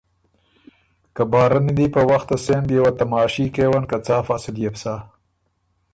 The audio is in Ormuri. که بارني دی په وخته سېن بيې وه تماشي کېون که څا فصل يې بو سۀ؟